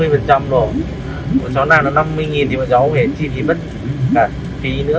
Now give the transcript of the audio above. một chó nào nó năm mươi thì một chó về chi thì bất cả phí nữa